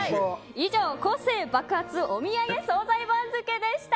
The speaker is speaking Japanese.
以上、個性爆発おみやげ総菜番付でした。